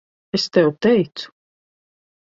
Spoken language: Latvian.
Es tev teicu.